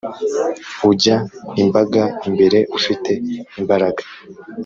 Ujya imbaga imbere ufite imbaraga